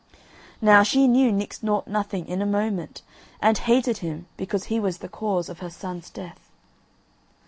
Now she knew Nix Nought Nothing in a moment, and hated him because he was the cause of her son's death.